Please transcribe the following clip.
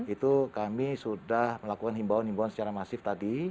itu kami sudah melakukan himbauan himbauan secara masif tadi